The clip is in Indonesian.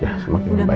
iya semakin lebih baik